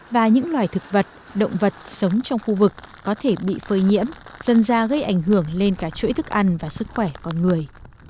và những loài thực vật động vật sống trong khu vực có thể bị phơi nhiễm dần ra gây ảnh hưởng lên cả chuỗi thức ăn và sức khỏe con người